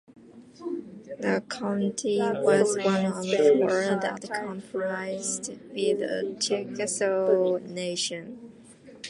The county was one of four that comprised the Chickasaw Nation.